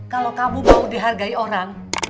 kalau kamu mau dihargai orang